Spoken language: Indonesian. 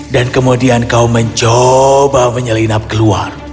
dan kemudian kau mencoba menyelinap keluar